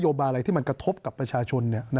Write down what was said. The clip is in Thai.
บาอะไรที่มันกระทบกับประชาชน